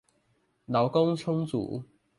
勞工充足